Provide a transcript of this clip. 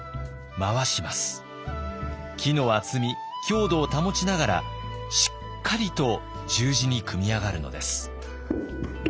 木の厚み強度を保ちながらしっかりと十字に組み上がるのです。